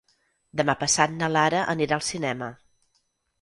Demà passat na Lara anirà al cinema.